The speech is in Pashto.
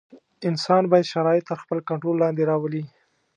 انسان باید شرایط تر خپل کنټرول لاندې راولي.